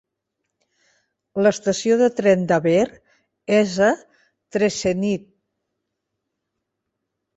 L'estació de tren d'Aber és a Trecenydd.